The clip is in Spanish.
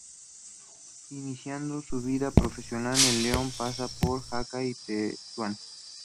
Iniciando su vida profesional en León, pasa por Jaca y Tetuán.